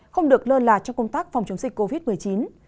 không được lơ là trong công tác phòng chống dịch covid một mươi chín